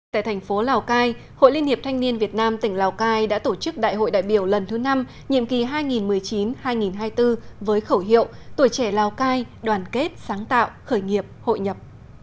tại thành phố lào cai hội liên hiệp thanh niên việt nam tỉnh lào cai đã tổ chức đại hội đại biểu lần thứ năm nhiệm kỳ hai nghìn một mươi chín hai nghìn hai mươi bốn với khẩu hiệu tuổi trẻ lào cai đoàn kết sáng tạo khởi nghiệp hội nhập